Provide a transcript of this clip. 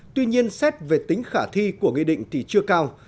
tuy nhiên xét về tính khả thi của nghị định thì chưa cao